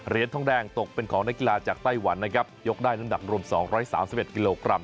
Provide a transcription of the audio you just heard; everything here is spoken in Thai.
ทองแดงตกเป็นของนักกีฬาจากไต้หวันนะครับยกได้น้ำหนักรวม๒๓๑กิโลกรัม